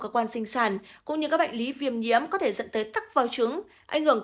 của các quan sinh sản cũng như các bệnh lý viêm nhiễm có thể dẫn tới thắc vào chứng ảnh hưởng